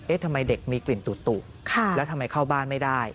ทำไมเด็กมีกลิ่นตุแล้วทำไมเข้าบ้านไม่ได้